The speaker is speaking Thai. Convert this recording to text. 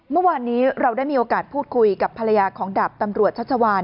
เมื่อวานนี้เราได้มีโอกาสพูดคุยกับภรรยาของดาบตำรวจชัชวาน